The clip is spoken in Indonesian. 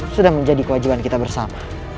sudah menjadi kewajiban kita bersama